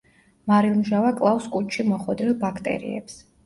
მარილმჟავა კლავს კუჭში მოხვედრილ ბაქტერიებს.